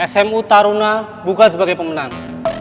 smu taruna bukan sebagai pemenang